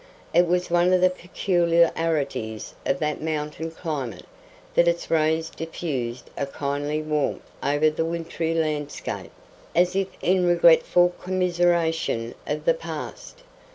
It was one of the peculiarities of that mountain climate that its rays diffused a kindly warmth over the wintry landscape, as if in regretful commiseration of the past.